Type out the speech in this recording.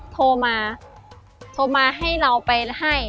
โทรมาโทรมาให้เราไปให้